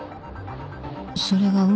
それが運